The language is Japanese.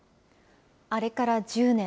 あれから１０年。